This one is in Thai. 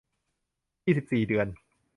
ยี่สิบสี่ เดือน